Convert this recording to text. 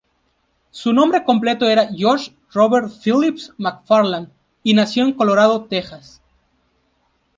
Su nombre completo era George Robert Phillips McFarland, y nació en Colorado, Texas.